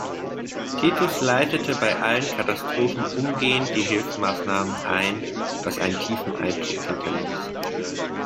Titus leitete bei allen Katastrophen umgehend die Hilfsmaßnahmen ein, was einen tiefen Eindruck hinterließ.